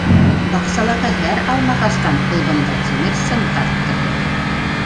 Баҡсалағы һәр алмағастан ул бында тимер сым тарттырҙы.